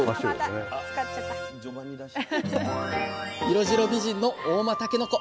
色白美人の合馬たけのこ。